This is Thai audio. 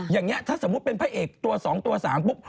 อย่างนี้ถ้าสมมุติเป็นพระเอกตัว๒ตัว๓ปุ๊บ